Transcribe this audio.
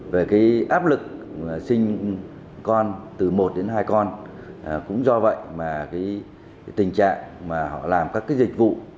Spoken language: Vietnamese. về áp lực sinh con từ một đến hai con cũng do vậy tình trạng họ làm các dịch vụ